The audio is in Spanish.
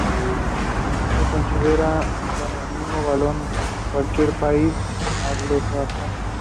Se considera con el mismo valor en cualquier país anglosajón.